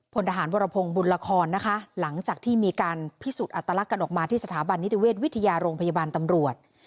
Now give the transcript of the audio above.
พลทหารวรพงศ์บุญละครนะคะหลังจากที่มีการพิสูจน์อัตลักษณ์กันออกมาที่สถาบันนิติเวชวิทยาโรงพยาบาลตำรวจ